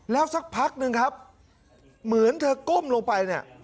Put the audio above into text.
แล้วสักพักหนึ่งครับเหมือนเธอก้มลงไปเนี่ย